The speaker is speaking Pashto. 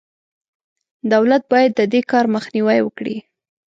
دولت باید د دې کار مخنیوی وکړي.